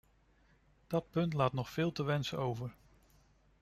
Dat punt laat toch nog veel te wensen over.